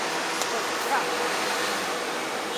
Ostras!